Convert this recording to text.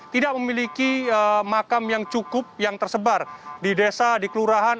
tidak memiliki makam yang cukup yang tersebar di desa di kelurahan